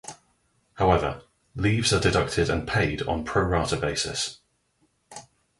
However, leaves are deducted and paid on pro-rata basis.